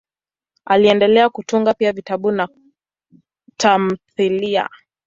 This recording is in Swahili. Aliendelea kutunga pia vitabu na tamthiliya.